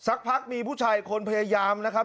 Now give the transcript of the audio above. สักพักมีผู้ชายคนพยายามนะครับ